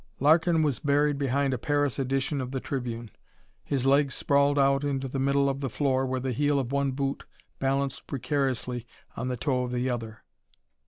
Larkin was buried behind a Paris edition of the Tribune, his legs sprawled out into the middle of the floor where the heel of one boot balanced precariously on the toe of the other.